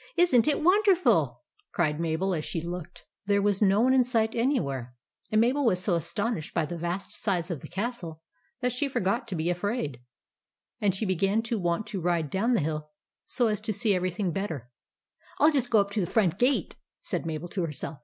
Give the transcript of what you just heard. " Is n't it wonderful !" cried Mabel, as she looked. THE GIANT'S CASTLE 163 There was no one in sight anywhere ; and Mabel was so astonished by the vast size of the castle that she forgot to be afraid ; and she began to want to ride down the hill so as to see everything better. " I '11 just go up to the front gate," said Mabel to herself.